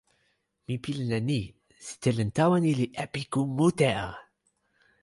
mi pilin e ni: sitelen tawa ni li epiku mute a!